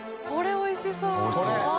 おいしそう！